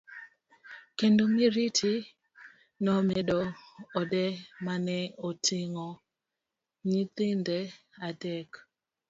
Kendo Miriti nomedo ode mane oting'o nyithinde adek.